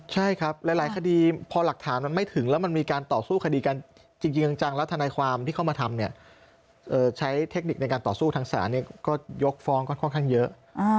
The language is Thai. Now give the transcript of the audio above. ใช่ครับหลายคดีพอหลักฐานมันไม่ถึงแล้วมันมีการต่อสู้คดีกันจริงจังแล้วทนายความที่เข้ามาทำเนี่ยใช้เทคนิคในการต่อสู้ทางศาลก็ยกฟ้องก็ค่อนข้างเยอะ